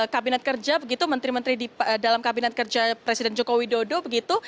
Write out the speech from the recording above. kabinet kerja begitu menteri menteri di dalam kabinet kerja presiden joko widodo begitu